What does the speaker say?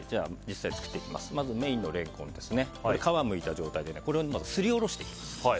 まずメインのレンコンを皮をむいた状態でまずすりおろしていきます。